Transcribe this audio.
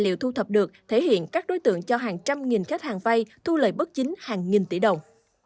liệu thu thập được thể hiện các đối tượng cho hàng trăm nghìn khách hàng vay thu lời bất chính hàng nghìn tỷ đồng